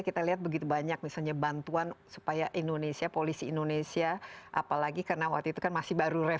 kita lihat begitu banyak misalnya bantuan supaya indonesia polisi indonesia apalagi karena waktu itu kan masih baru